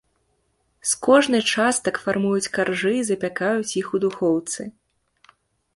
З кожнай частак фармуюць каржы і запякаюць іх у духоўцы.